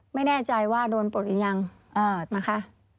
ไม่แน่ใจว่าโดนปลดหรือยังนะคะ